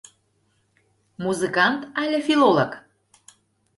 Музыкант але филолог?